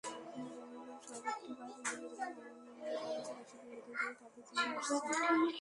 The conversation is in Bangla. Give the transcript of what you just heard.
নারায়ণগঞ্জ শহরে একটি পার্ক নির্মাণের জন্য নারায়ণগঞ্জবাসী দীর্ঘদিন ধরে দাবি জানিয়ে আসছে।